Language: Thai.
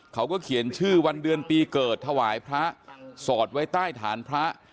เขาก็เขียนชื่อวันเดือนปีเกิดถวายพระสอดไว้ใต้ฐานพระ